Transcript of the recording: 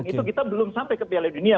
dan itu kita belum sampai ke piala dunia